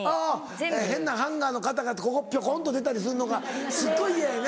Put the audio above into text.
あぁ変なハンガーの形がここぴょこんと出たりするのがすっごい嫌やね